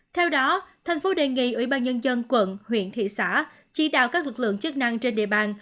theo đó thành phố đề nghị ủy ban nhân dân quận huyện thị xã chỉ đào các lực lượng chức năng trên địa bàn